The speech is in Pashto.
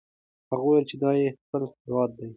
هغه وویل چې دا یې خپل هیواد دی.